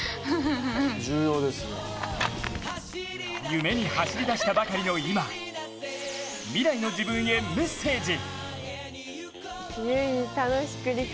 夢に走り出したばかりの今、未来の自分へメッセージ。